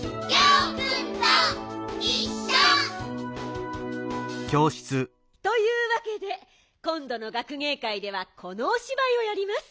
「はじまるよ！」というわけでこんどのがくげいかいではこのおしばいをやります。